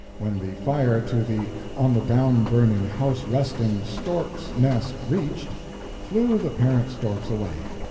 When the fire to the onthedownburninghouseresting Stork's Nest reached, flew the parent Storks away.